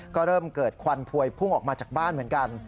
ก็เริ่มเกิดควันพวยพุ่งออกมาจากบ้านเหมือนกัน